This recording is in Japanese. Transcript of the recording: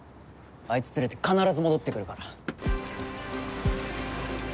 あいつ連れて必ず戻ってくるから。